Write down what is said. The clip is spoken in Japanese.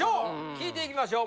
聞いていきましょう。